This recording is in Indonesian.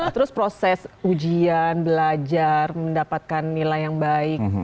terus proses ujian belajar mendapatkan nilai yang baik